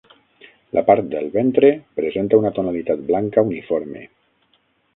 La part del ventre presenta una tonalitat blanca uniforme.